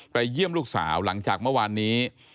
เยี่ยมลูกสาวหลังจากเมื่อวานนี้